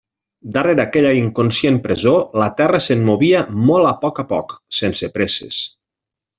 Darrere aquella inconscient presó, la terra se'm movia molt a poc a poc, sense presses.